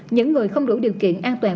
những người không đủ điều kiện an toàn